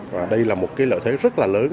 và đây là một cái lợi thế rất là lớn